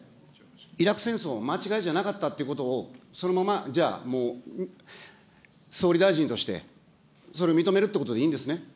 イラク戦争、間違いじゃなかったということを、そのままじゃあ、もう、総理大臣として、それ認めるってことでいいんですね。